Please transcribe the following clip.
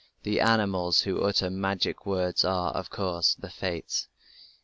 The "animals" who utter magic words are, of course, the Fates.